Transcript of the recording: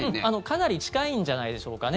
かなり近いんじゃないでしょうかね。